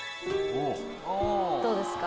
どうですか？